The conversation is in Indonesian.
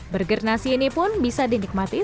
burger nasi ini pun bisa dinikmati sebagai etos